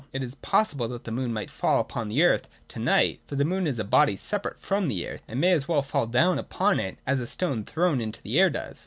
It is possible that the moon might fall upon the earth to night ; for the moon is a body separate from the earth, — and may as well fall down upon it as a stone thrown into the air does.